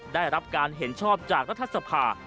ได้รับการเห็นชอบจากรัฐสภา